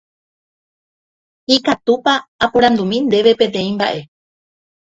Ikatúpa aporandumi ndéve peteĩ mba'e.